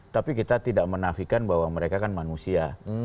tapi kita tidak menafikan bahwa mereka kan manusia